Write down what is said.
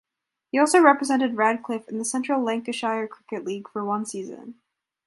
He also represented Radcliffe in the Central Lancashire Cricket League for one season.